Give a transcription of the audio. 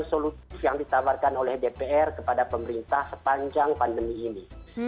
solutif yang ditawarkan oleh dpr kepada pemerintah sepanjang pandemi ini